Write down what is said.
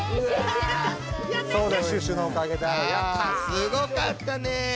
すごかったね。